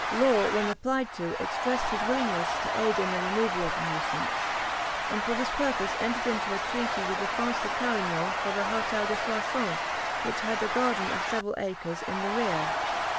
Law, when applied to, expressed his willingness to aid in the removal of the nuisance, and for this purpose entered into a treaty with the Prince de Carignan for the Hôtel de Soissons, which had a garden of several acres in the rear.